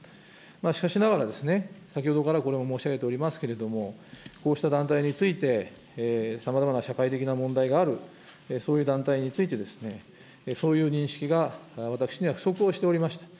しかしながらですね、先ほどからこれも申し上げておりますけれども、こうした団体について、さまざまな社会的な問題がある、そういう団体について、そういう認識が私には不足をしておりました。